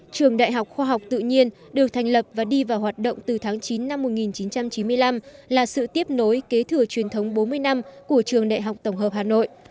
trường đại học khoa học tự nhiên được thành lập và đi vào hoạt động từ tháng chín năm một nghìn chín trăm chín mươi năm là sự tiếp nối kế thừa truyền thống bốn mươi năm của trường đại học tổng hợp hà nội